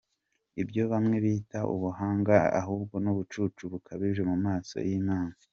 Ibyo bamwe bita ubuhanga ahubwo nubucucu bukabije mu maso y Imana.